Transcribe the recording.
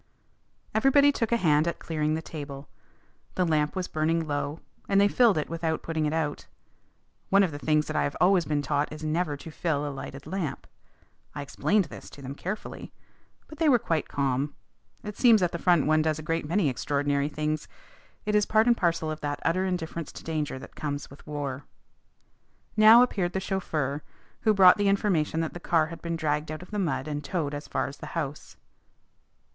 Everybody took a hand at clearing the table. The lamp was burning low, and they filled it without putting it out. One of the things that I have always been taught is never to fill a lighted lamp. I explained this to them carefully. But they were quite calm. It seems at the front one does a great many extraordinary things. It is part and parcel of that utter indifference to danger that comes with war. Now appeared the chauffeur, who brought the information that the car had been dragged out of the mud and towed as far as the house.